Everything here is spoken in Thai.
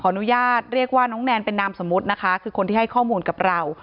อนุญาตเรียกว่าน้องแนนเป็นนามสมมุตินะคะคือคนที่ให้ข้อมูลกับเรา